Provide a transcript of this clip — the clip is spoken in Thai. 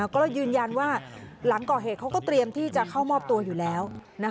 ก็เลยยืนยันว่าหลังก่อเหตุเขาก็เตรียมที่จะเข้ามอบตัวอยู่แล้ว